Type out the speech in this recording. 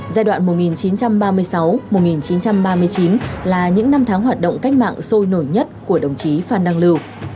giai đoạn một nghìn chín trăm ba mươi sáu một nghìn chín trăm ba mươi chín là những năm tháng hoạt động cách mạng sôi nổi nhất của đồng chí phan đăng lưu